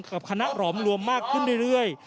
กับคณะหลอมรวมมากขึ้นเรื่อย